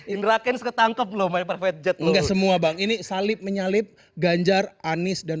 indrakens ketangkep lo main private jet enggak semua bang ini salib menyalip ganjar anies dan